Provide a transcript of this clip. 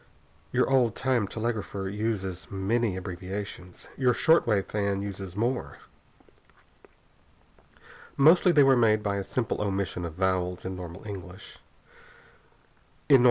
Your old time telegrapher uses many abbreviations. Your short wave fan uses more. Mostly they are made by a simple omission of vowels in normal English words.